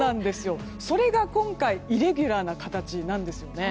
それが今回イレギュラーな形なんですよね。